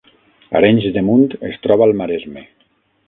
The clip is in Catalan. Arenys de Munt es troba al Maresme